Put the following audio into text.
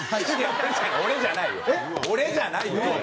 俺じゃないよ。